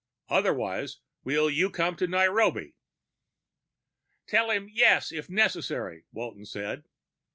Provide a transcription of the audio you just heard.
Otherwise will you come to Nairobi?'" "Tell him yes, if necessary," Walton said.